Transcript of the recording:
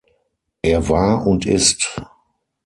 Er war und ist